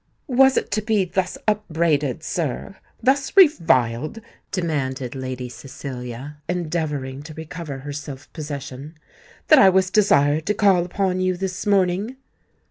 "Was it to be thus upbraided, sir—thus reviled," demanded Lady Cecilia, endeavouring to recover her self possession, "that I was desired to call upon you this morning?"